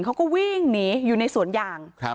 เขาก็วิ่งหนีอยู่ในสวนยาง